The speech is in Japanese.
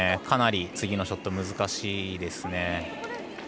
かなり次のショットは難しいです。